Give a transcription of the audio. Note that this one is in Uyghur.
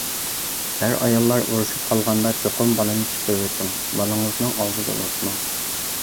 ئەر-ئاياللار ئۇرۇشۇپ قالغاندا چوقۇم بالىنى چىقىرىۋېتىڭ، بالىڭىزنىڭ ئالدىدا ئۇرۇشماڭ.